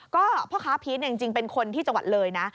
ก็พ่อค้าพีชจริงเป็นคนที่จังหวัดเลยนะ